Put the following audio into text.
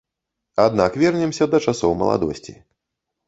Аднак вернемся да часоў маладосці.